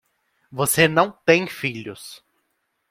Você não tem filhos.